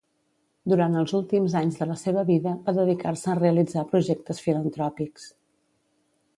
Durant els últims anys de la seva vida, va dedicar-se a realitzar projectes filantròpics.